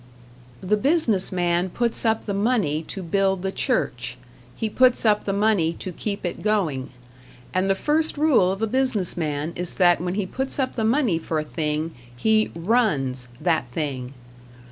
The business man puts up the money to build the church, he puts up the money to keep it going; and the first rule of a business man is that when he puts up the money for a thing he "runs" that thing.